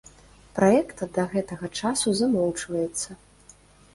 Праект да гэтага часу замоўчваецца.